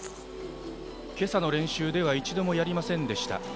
今朝の練習では一度もやりませんでした。